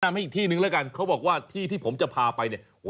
มาอีกที่นึงแล้วกันเขาบอกว่าที่ที่ผมจะพาไปเนี่ย